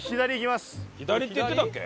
左って言ってたっけ？